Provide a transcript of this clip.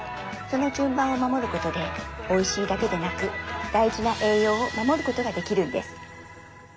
その順番を守ることでおいしいだけでなく大事な栄養を守ることができるんです。